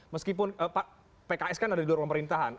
meskipun pks kan ada di luar pemerintahan